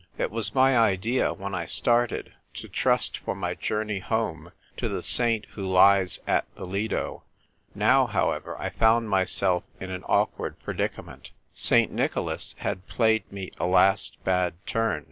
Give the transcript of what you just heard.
It was my idea, when I started, to trust for my journey home to the saint who lies at the Lido. Now, however, I found myself in an awkward predicament. St. Nicholas had played me a last bad turn.